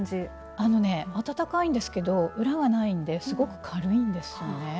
あのね暖かいんですけど裏がないんですごく軽いんですよね。